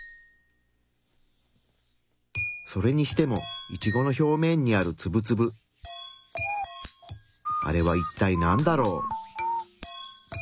それにしてもイチゴの表面にあるツブツブあれはいったいなんだろう？